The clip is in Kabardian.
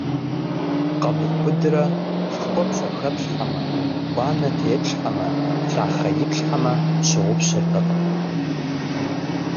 Къэбубыдрэ шхуэ пщӀэхэплъхьэмэ, уанэ теплъхьэмэ, лъахъэ иплъхьэмэ, щыгъупщэртэкъым.